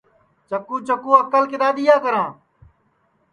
چکُو چکُو کِدؔا اکل دؔئیا کرا